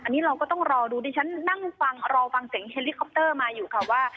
อันนี้เราก็ต้องรอดูดิฉันนั่งฟังรอฟังเสียงเฮลิคอปเตอร์มาอยู่ค่ะว่า